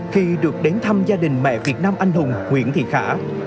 khi được đến thăm gia đình mẹ việt nam anh hùng nguyễn thị khả